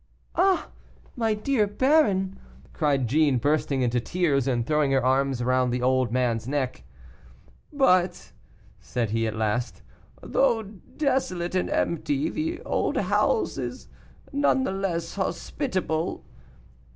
"Ah, my dear baron!" cried Jeanne, bursting into tears, and throwing her arms round the old man's neck. "But," said he at last, "though desolate and empty, the old house is none the less hospitable.